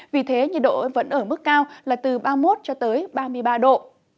vì thế nhiệt độ vẫn ở mức cao là từ ba mươi một cho tới ba mươi ba độ